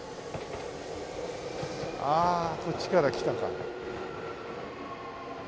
ああこっちから来たか。